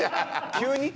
急に？